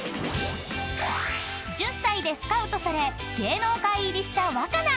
［１０歳でスカウトされ芸能界入りしたわかなん］